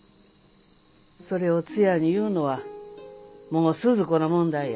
それをツヤに言うのはもうスズ子の問題や。